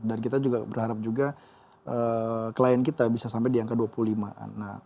dan kita juga berharap juga klien kita bisa sampai di angka dua puluh lima an